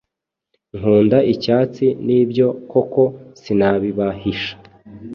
Nkunda icyatsi nibyo koko sinabibahisha